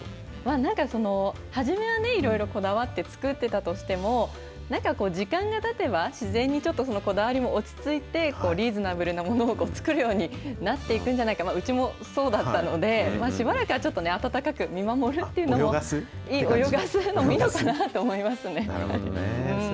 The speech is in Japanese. なんか初めはね、いろいろこだわって作ってたとしても、なんかこう、時間がたてば、自然にちょっとこだわりも落ち着いて、リーズナブルなものを作るようになっていくんじゃないか、うちもそうだったので、しばらくはちょっと温かく見守るっていうのも、泳がしてもいいのかなと思いなるほどね。